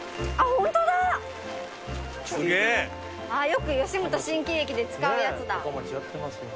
よく吉本新喜劇で使うやつだ。